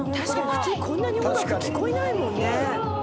普通こんなに音楽聞こえないもんね。